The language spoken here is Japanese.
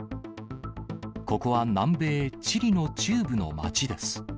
ここは南米チリの中部の町です。